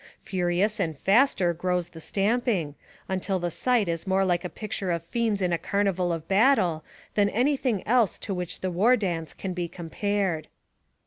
Furious and faster grows the stamping, until the sight is more like a picture of fiends in a carnival of battle than any thing else to which the war dance can be compared.